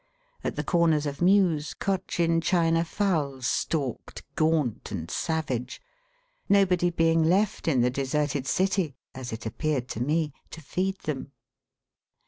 At the corners of mews, Cochin China fowls stalked gaunt and savage; nobody being left in the deserted city (as it appeared to me), to feed them.